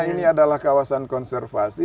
karena ini adalah kawasan konservasi